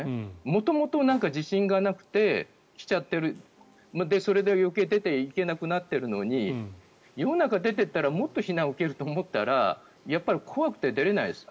元々自信がなくて来ちゃっているそれで余計出ていけなくなっているのに世の中に出ていったらもっと批判を受けると思ったらやっぱり怖くて出れないです。